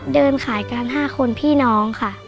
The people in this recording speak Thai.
เดินขายกัน๕คนพี่น้องค่ะ